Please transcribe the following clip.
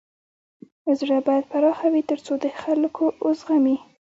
زړه بايد پراخه وي تر څو د خلک و زغمی.